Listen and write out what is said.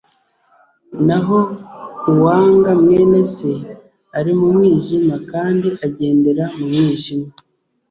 naho uwanga mwene Se ari mu mwijima kandi agendera mu mwijima,